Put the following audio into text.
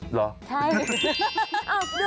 เหรอใช่